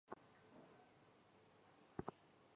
同治进士尹寿衡之子。